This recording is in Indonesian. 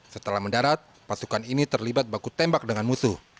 setelah mendarat pasukan ini terlibat baku tembak dengan musuh